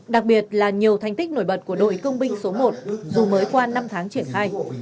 đặc biệt là nhiều thành tích nổi bật của đội công binh số một dù mới qua năm tháng triển khai